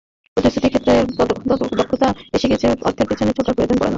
প্রযুক্তি ক্ষেত্রে দক্ষতা এসে গেলে অর্থের পেছনে ছোটার প্রয়োজন পড়বে না।